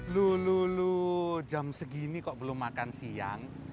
lululul jam segini kok belum makan siang